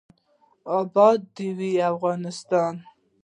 اباد دې وي افغانستان.